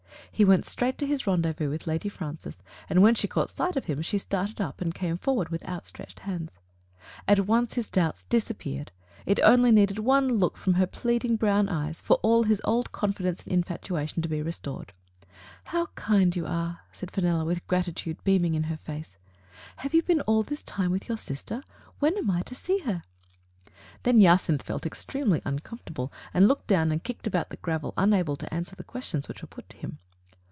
He went straight to his rendezvous with Lady Francis, and when she caught sight of him she started up and came forward with outstretched hands. At once his doubts disappeared. It only needed one look from her pleading brown eyes for all his old con fidence and infatuation to be restored. "How kind you are!" said Fenella, with grati tude beaming in her face. "Have you been all this time with your sister? When am I to see her?'* Then Jacynth felt extremely uncomfortable, and looked down and kicked about the gravel, unable to answer the questions which were put to him.